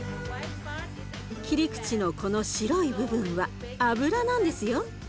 切り口のこの白い部分は脂なんですよ。